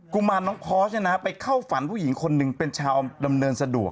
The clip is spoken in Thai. ุมารน้องพอสไปเข้าฝันผู้หญิงคนหนึ่งเป็นชาวดำเนินสะดวก